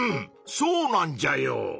そうなんじゃよ！